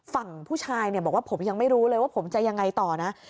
ฝั่งผู้ชายเนี่ยบอกว่าผมยังไม่รู้เลยว่าผมจะยังไงต่อนะ